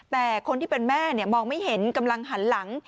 แต่คนที่เป็นแม่มองไม่เห็นกำลังหันหลัง